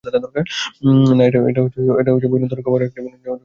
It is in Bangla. না, এটা বিনোদনের খবর নয়, কিন্তু খবরটি বিনোদনজগতের একজন আলোচিত ব্যক্তিকে নিয়ে।